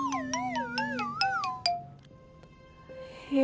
ya allah ya tuhanku